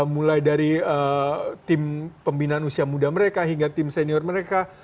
mulai dari tim pembinaan usia muda mereka hingga tim senior mereka